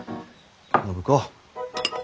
暢子。